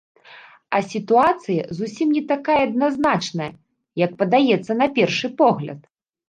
А сітуацыя зусім не такая адназначная, як падаецца на першы погляд.